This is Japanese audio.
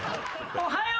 おはよう。